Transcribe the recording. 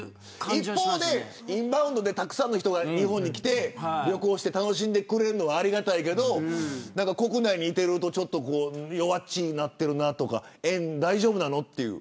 一方でインバウンドでたくさんの人が日本に来て旅行で楽しんでくれるのはありがたいけど国内にいると弱っちくなっているなと円、大丈夫なのという。